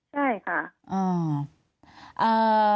ใช่ค่ะ